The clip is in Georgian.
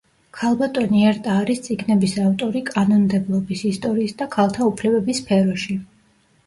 ქალბატონი ერტა არის წიგნების ავტორი კანონმდებლობის, ისტორიის და ქალთა უფლებების სფეროში.